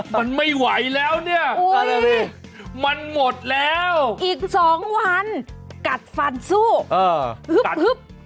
มันไม่ไหวแล้วเนี่ยมันหมดแล้วอีก๒วันกัดฟันสู้ฮึบ